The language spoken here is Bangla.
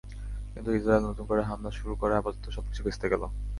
কিন্তু ইসরায়েল নতুন করে হামলা শুরু করায় আপাতত সবকিছু ভেস্তে গেল।